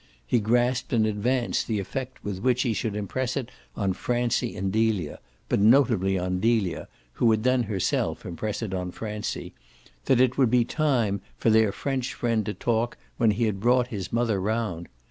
He grasped in advance the effect with which he should impress it on Francie and Delia but notably on Delia, who would then herself impress it on Francie that it would be time for their French friend to talk when he had brought his mother round.